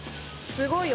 すごいよ。